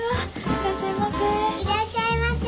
いらっしゃいませ。